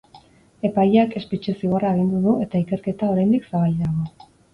Epaileak espetxe zigorra agindu du eta ikerketa, oraindik, zabalik dago.